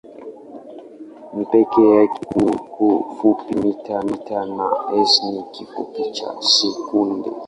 m peke yake ni kifupi cha mita na s ni kifupi cha sekunde.